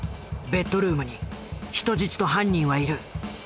ベッドルームに人質と犯人はいる。